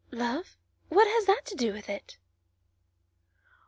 "Love what has that to do with it?"